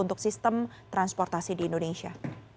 untuk sistem transportasi di indonesia